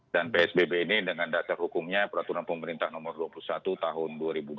dan psbb ini dengan data hukumnya peraturan pemerintah nomor dua puluh satu tahun dua ribu dua puluh